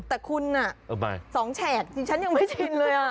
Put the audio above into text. แต่คุณ๒แฉกดิฉันยังไม่ชินเลย